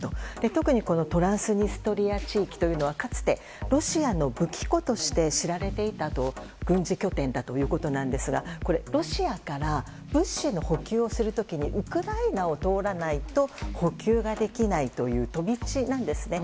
特にトランスニストリア地域はかつて、ロシアの武器庫として知られていた軍事拠点だということですがロシアから物資の補給をする時にウクライナを通らないと補給ができないという飛び地なんですね。